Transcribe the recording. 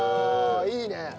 いいね。